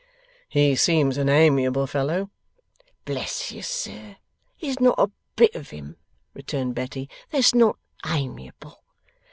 'He seems an amiable fellow.' 'Bless you, sir, there's not a bit of him,' returned Betty, 'that's not amiable.